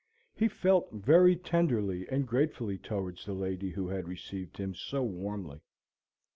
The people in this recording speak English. He felt very tenderly and gratefully towards the lady who had received him so warmly.